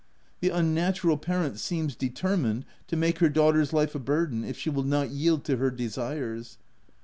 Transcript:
The unnatural parent seems determined to make her daughter's life a burden if she will not yield to her desires.